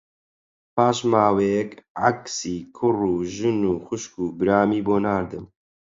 پاش ماوەیەک عەکسی کوڕ و ژن و خوشک و برامی بۆ ناردم